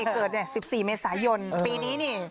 เกิด๑๔เมษายนปีนี้นี่